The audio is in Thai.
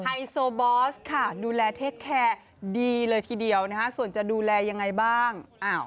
ไฮโซบอสค่ะดูแลเทคแคร์ดีเลยทีเดียวนะคะส่วนจะดูแลยังไงบ้าง